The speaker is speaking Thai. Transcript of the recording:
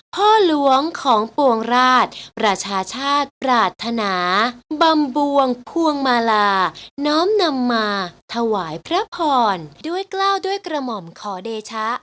พ่อหลวงของปวงราชประชาชาติปรารถนาบำบวงควงมาลาน้อมนำมาถวายพระพรด้วยกล้าวด้วยกระหม่อมขอเดชะ